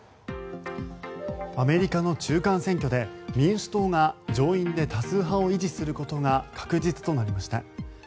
アメリカの中間選挙で民主党が上院で多数派を維持することが確実となりました。